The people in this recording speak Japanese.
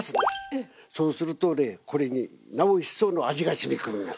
そうするとねこれになお一層の味がしみ込みます。